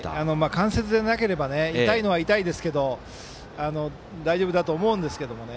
関節でなければ痛いのは痛いですけど大丈夫だと思うんですが。